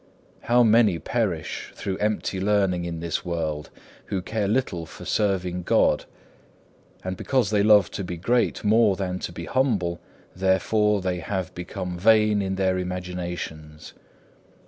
How many perish through empty learning in this world, who care little for serving God. And because they love to be great more than to be humble, therefore they "have become vain in their imaginations."